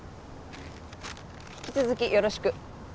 引き続きよろしく。